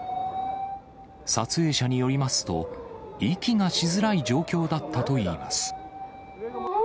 撮影者によりますと、息がしづらい状況だったといいます。